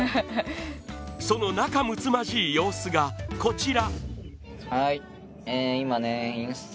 その仲むつまじい様子がこちら。